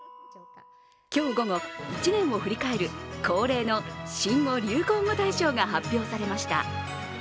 今日午後、一年を振り返る恒例の新語・流行語大賞が発表されました